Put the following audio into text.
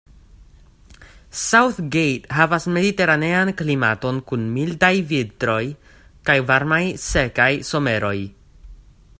South Gate havas mediteranean klimaton kun mildaj vintroj kaj varmaj, sekaj someroj.